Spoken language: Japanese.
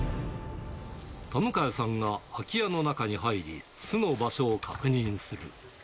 田迎さんが空き家の中に入り、巣の場所を確認する。